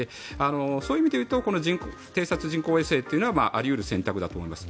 そういう意味でいうと偵察人工衛星というのはあり得る選択だと思います。